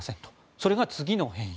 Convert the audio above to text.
それが次の変異。